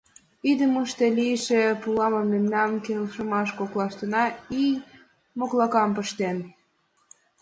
Идымыште лийше пуламыр мемнан келшымаш коклашкына ий моклакам пыштен.